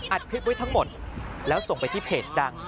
คลิปไว้ทั้งหมดแล้วส่งไปที่เพจดัง